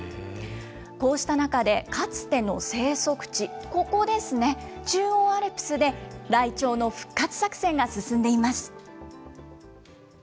こうした中で、かつての生息地、ここですね、中央アルプスで、ライチョウの復活作戦が進んでいます。